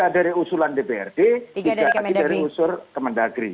tiga dari usulan dprd tiga lagi dari usur kemendagri